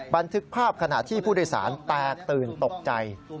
บันทึกภาพขณะที่ผู้โดยสารแตกตื่นตกใจ